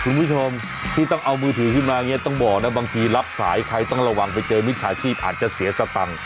คุณผู้ชมที่ต้องเอามือถือขึ้นมาอย่างนี้ต้องบอกนะบางทีรับสายใครต้องระวังไปเจอมิจฉาชีพอาจจะเสียสตังค์